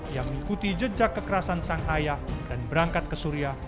ia mengikuti jejak kekerasan sang ayah dan berangkat ke suria